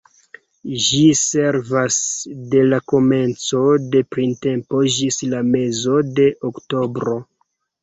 Ĝi servas de la komenco de printempo ĝis la mezo de oktobro.